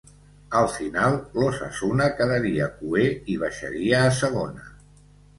Al final, l'Osasuna quedaria cuer i baixaria a Segona.